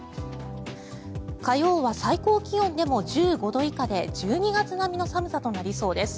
火曜は最高気温でも１５度以下で１２月並みの寒さになりそうです。